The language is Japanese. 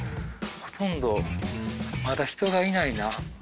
ほとんどまだ人がいないな。